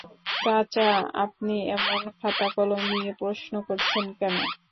চাচা, আপনি এমন খাতা-কলম নিয়ে প্রশ্ন করছেন কেন?